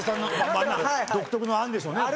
まあ独特のあるんでしょうね